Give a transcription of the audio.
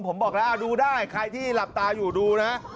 ผมบอกแล้วดูได้ใครที่หลับตาอยู่ดูนะ